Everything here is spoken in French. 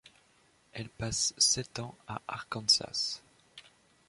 Elle passe sept ans à Arkansas.